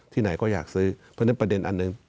ไหนก็อยากซื้อเพราะฉะนั้นประเด็นอันหนึ่ง